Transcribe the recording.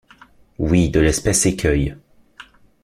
Oui, de l’espèce écueil.